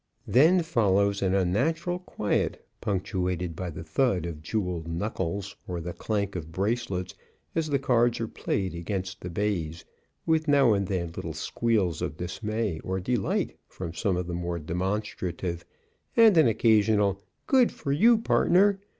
Then follows an unnatural quiet, punctuated by the thud of jeweled knuckles or the clank of bracelets as the cards are played against the baize, with now and then little squeals of dismay or delight from some of the more demonstrative and an occasional "Good for you, partner!"